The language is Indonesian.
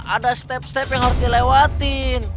ada step step yang harus dilewatin